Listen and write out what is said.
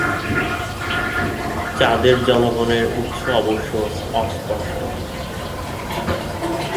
চাদের জনগণের উৎস অবশ্য অস্পষ্ট।